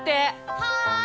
はい！